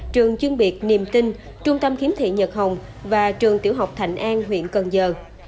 trường chuyên biệt niềm tinh trung tâm khiếm thị nhật hồng và trường tiểu học thạnh an huyện cần giờ